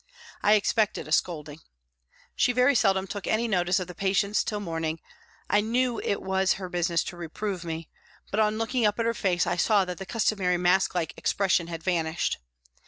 " I expected a scolding. She very seldom took any notice of the patients till morning, I knew it was her business to reprove me, but on looking up at her face I saw that the customary mask like expression had vanished.